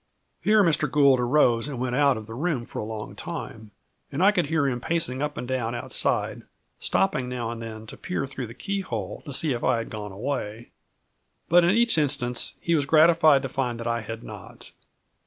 Here Mr. Gould arose and went out of the room for a long time, and I could hear him pacing up and down outside, stopping now and then to peer through the keyhole to see if I had gone away. But in each instance he was gratified to find that I had not.